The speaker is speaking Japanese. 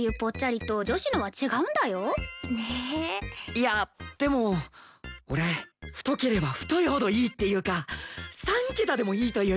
いやでも俺太ければ太いほどいいっていうか３桁でもいいというか。